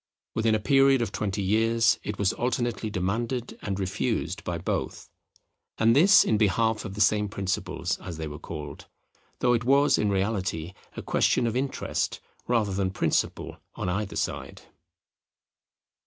Within a period of twenty years, it was alternately demanded and refused by both; and this in behalf of the same principles, as they were called, though it was in reality a question of interest rather than principle on either side.